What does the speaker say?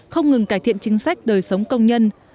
không ngừng cải thiện chính sách đời sống công nhân